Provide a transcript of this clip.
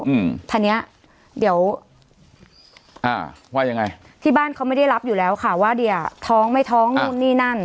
อืมทันเนี้ยเดี๋ยวอ่าว่ายังไงที่บ้านเขาไม่ได้รับอยู่แล้วค่ะว่าเดียท้องไม่ท้องนู่นนี่นั่น